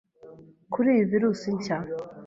kuri iyi virus nshya